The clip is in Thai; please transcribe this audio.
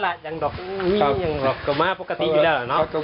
หรือยังรอบกับมาร์ปกติอยู่แล้วเหรอเนาะ